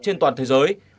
trên toàn thế giới